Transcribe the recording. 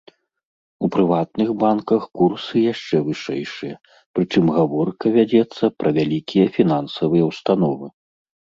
У прыватных банках курсы яшчэ вышэйшыя, прычым гаворка вядзецца пра вялікія фінансавыя ўстановы.